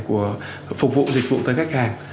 của phục vụ dịch vụ tới khách hàng